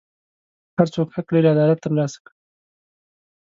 هر څوک حق لري عدالت ترلاسه کړي.